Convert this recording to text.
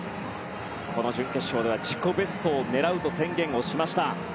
この準決勝では自己ベストを狙うと宣言しました。